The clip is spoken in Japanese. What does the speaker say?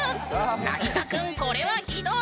なぎさくんこれはひどい！